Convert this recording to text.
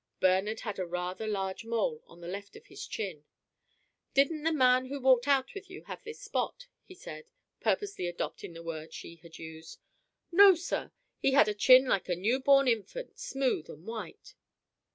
Bernard had a rather large mole on the left of his chin. "Didn't the man who walked out with you have this spot?" he said, purposely adopting the word she had used. "No, sir. He had a chin like a new born infant, smooth and white."